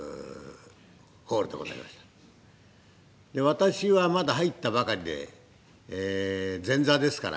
私はまだ入ったばかりで前座ですから。